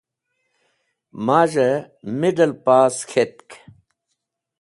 Maz̃ey Middle Pass k̃hetk.